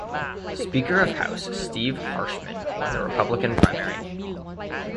Speaker of House Steve Harshman won the Republican primary.